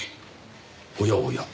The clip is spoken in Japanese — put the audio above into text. おやおや。